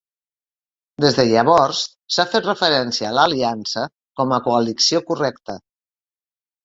Des de llavors, s'ha fet referència a l'aliança com a coalició correcta.